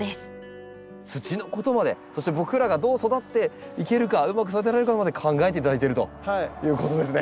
土のことまでそして僕らがどう育てていけるかうまく育てられるかまで考えて頂いてるということですね。